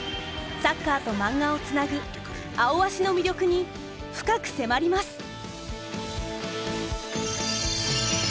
サッカーとマンガをつなぐ「アオアシ」の魅力に深く迫ります。